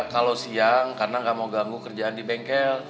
kalau siang karena nggak mau ganggu kerjaan di bengkel